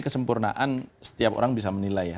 kesempurnaan setiap orang bisa menilai ya